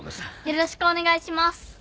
よろしくお願いします。